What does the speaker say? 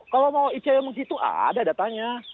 kalau mau icm gitu ada datanya